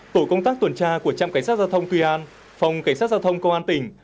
tổ công tác tuần tra của trạm cảnh sát giao thông tuy an phòng cảnh sát giao thông công an tỉnh